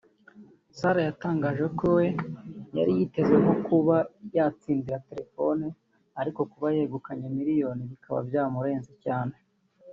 Sarah yatangaje ko we yari yiteze nko kuba yatsindira telefoni ariko kuba yegukanye miliyoni bikaba byamurenze cyane